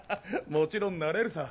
もちろんなれるさ。